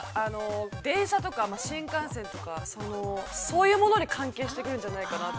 ◆電車とか新幹線とか、そういうものに関係してくるんじゃないかなと。